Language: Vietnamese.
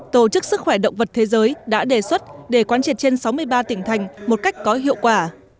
tổ chức sức khỏe động vật thế giới đã đề xuất để quan triệt trên sáu mươi ba tỉnh thành một cách có hiệu quả